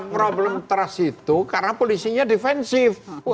problem trust itu karena polisinya defensif